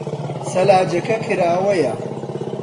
سەلاجەکە کراوەیە.